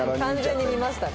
完全に見ましたね。